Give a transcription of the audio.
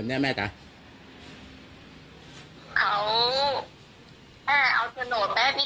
เมทจะเล่าอย่างนี้